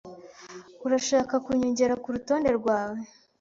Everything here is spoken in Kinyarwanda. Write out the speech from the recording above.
Urashaka kunyongera kurutonde rwawe?